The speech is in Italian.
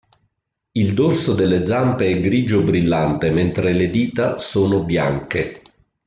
Il dorso delle zampe è grigio brillante, mentre le dita sono bianche.